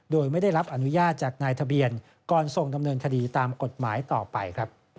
โดยไม่ได้รับอนุญาตจากนายทะเบียนก่อนส่งดำเนินคดีตามกฎหมายต่อไป